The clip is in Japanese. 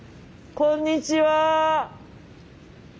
こんにちは。